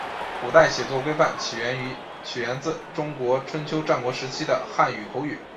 古代写作规范起源自中国春秋战国时期的汉语口语。